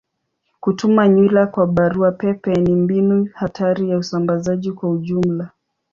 Kutuma nywila kwa barua pepe ni mbinu hatari ya usambazaji kwa ujumla.